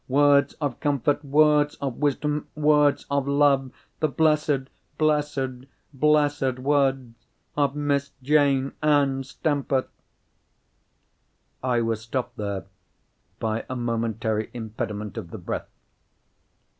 Words of comfort, words of wisdom, words of love—the blessed, blessed, blessed words of Miss Jane Ann Stamper!" I was stopped there by a momentary impediment of the breath.